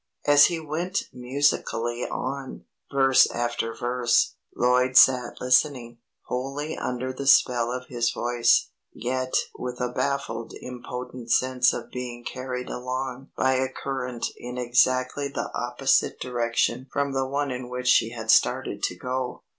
'" As he went musically on, verse after verse, Lloyd sat listening, wholly under the spell of his voice, yet with a baffled impotent sense of being carried along by a current in exactly the opposite direction from the one in which she had started to go.